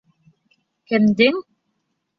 Кемдең?